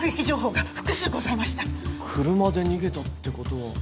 車で逃げたってことは。